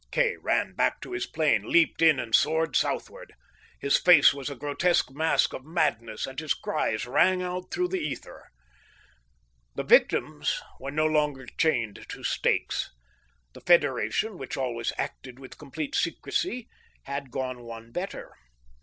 Kay ran back to his plane, leaped in, and soared southward. His face was a grotesque mask of madness, and his cries rang out through the ether. The victims were no longer chained to stakes. The Federation, which always acted with complete secrecy, had gone one better.